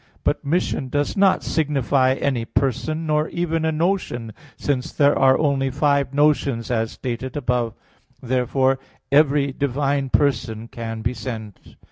But mission does not signify any person; nor even a notion, since there are only five notions, as stated above (Q. 32, A. 3). Therefore every divine person can be sent.